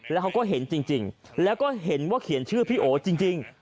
แล้วเขาก็เห็นจริงแล้วก็เห็นว่าเขียนชื่อพี่โอจริง